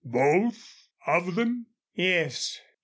"Both of them?" "Yes.